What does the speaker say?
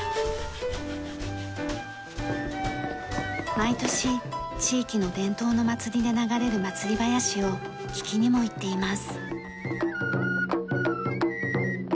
毎年地域の伝統の祭りで流れる祭り囃子を聴きにも行っています。